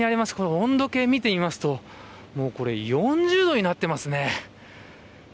温度計を見てみますと４０度になっていますね。